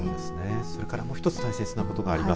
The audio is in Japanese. それからもう一つ大切なことがあります。